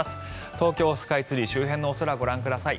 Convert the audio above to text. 東京スカイツリー周辺のお空ご覧ください。